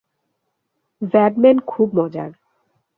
ভেড ম্যান খুব মজার।